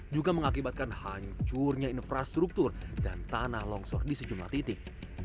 juga mengakibatkan hancurnya infrastruktur dan tanah longsor di sejumlah titik